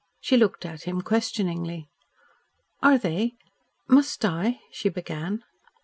She looked at him questioningly. "Are they must I?" she began.